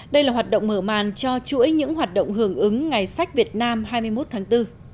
đây là hoạt động mở màn cho chuỗi những hoạt động hưởng ứng ngày sách việt nam hai mươi một tháng bốn